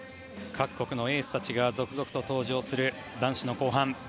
各国のエースたちが続々と登場する男子の後半。